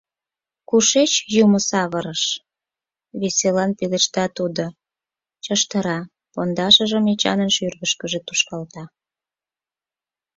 Кушеч юмо савырыш? — веселан пелешта тудо, чоштыра пондашыжым Эчанын шӱргышкыжӧ тушкалта.